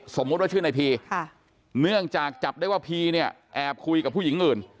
สมมุติว่าชื่อในพีเนื่องจากจับได้ว่าพีเนี่ยแอบคุยกับผู้หญิงอื่น